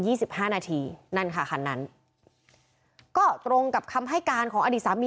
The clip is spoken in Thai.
สิบห้านาทีนั่นค่ะคันนั้นก็ตรงกับคำให้การของอดีตสามี